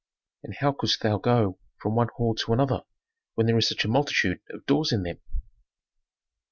"And how couldst thou go from one hall to another when there is such a multitude of doors in them?"